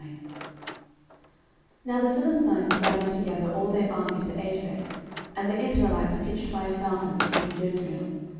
09:029:001 Now the Philistines gathered together all their armies to Aphek: and the Israelites pitched by a fountain which is in Jezreel.